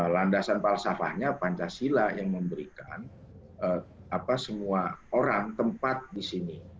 landasan palsafahnya pancasila yang memberikan semua orang tempat di sini